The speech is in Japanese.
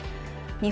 日本